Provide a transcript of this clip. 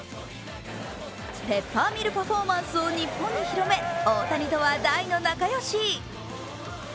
ペッパーミルパフォーマンスを日本に広め、大谷とは大の仲良し。